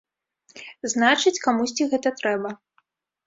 Значыць, камусьці гэта трэба.